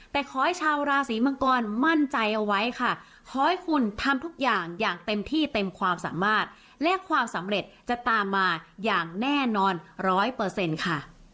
แต่ขอให้ชาวราศีมังกรมั่นใจเอาไว้ค่ะขอให้คุณทำทุกอย่างอย่างเต็มที่เต็มความสามารถและความสำเร็จจะตามมาอย่างแน่นอนร้อยเปอร์เซ็นต์ค่ะ